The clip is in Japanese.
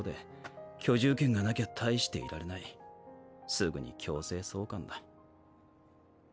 すぐに強制送還だ。